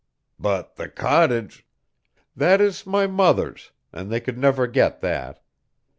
"But the cottage " "That is my mother's, and they could never get that.